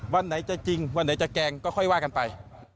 วันไหนจะจริงวันไหนจะแกล้งก็ค่อยว่ากันไป